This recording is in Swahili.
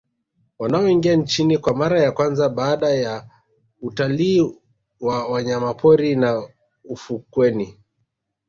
Wanaoingia nchini kwa mara ya kwanza baada ya utalii wa wanyamapori na ufukweni